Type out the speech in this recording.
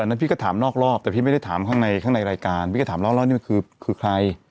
นั้นพี่ก็ถามนอกรอบแต่พี่ไม่ได้ถามข้างในข้างในรายการพี่ก็ถามเล่าแล้วนี่มันคือใคร